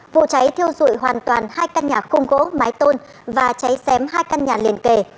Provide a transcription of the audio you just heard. vụ cháy thiêu dụi hoàn toàn hai căn nhà không gỗ mái tôn và cháy xém hai căn nhà liền kề